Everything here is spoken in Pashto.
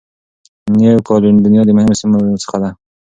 نیو کالېډونیا د مهمو سیمو څخه ده.